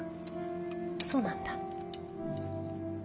そうなんだ。